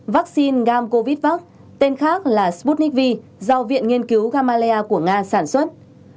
hai vaccine gam covid vac tên khác là sputnik v do viện nghiên cứu gamalea của nga sản xuất